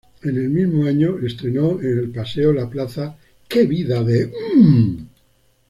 En el mismo año estreno en el Paseo la Plaza Que Vida de M...